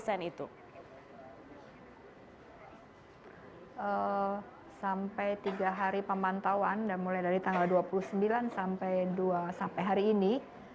sampai tiga hari pemantauan mulai dari tanggal dua puluh sembilan sampai hari ini